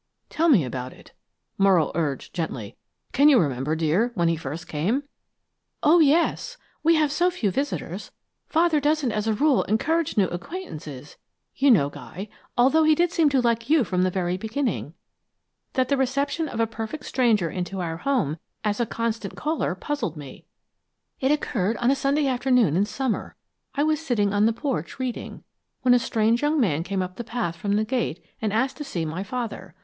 "Tell me about it," Morrow urged, gently. "Can you remember, dear, when he first came?" "Oh, yes. We have so few visitors Father doesn't, as a rule, encourage new acquaintances, you know, Guy, although he did seem to like you from the very beginning that the reception of a perfect stranger into our home as a constant caller puzzled me. It occurred on a Sunday afternoon in summer. I was sitting out on the porch reading, when a strange young man came up the path from the gate, and asked to see my father.